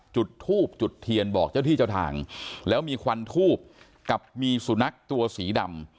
จุดทูบจุดเทียนบอกเจ้าที่เจ้าทางแล้วมีควันทูบกับมีสุนัขตัวสีดำ